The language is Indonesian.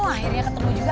oh akhirnya ketemu juga